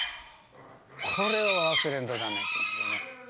これは忘れんと駄目やと思ってね。